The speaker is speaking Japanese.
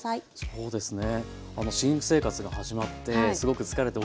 そうですね。